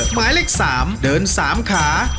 หมายเลข๓เดิน๓ขา